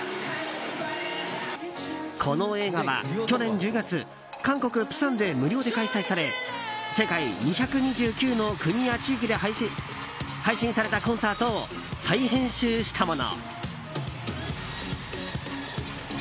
この映画は、去年１０月韓国・釜山で無料で開催され世界２２９の国や地域で配信されたコンサートを再編集したもの。